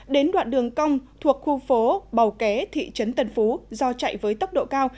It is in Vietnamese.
đến đoạn đường cong thuộc khu phố bầu ké thị trấn tân phú do chạy với tốc độ cao